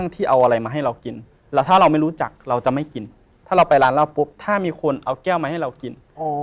ถ้าเราไปร้านร้านปุ๊บถ้ามีคนเอาแก้วไว้ให้เรากิน